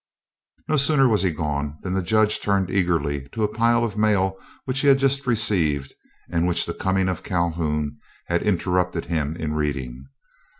No sooner was he gone than the Judge turned eagerly to a pile of mail which he had just received, and which the coming of Calhoun had interrupted him in reading.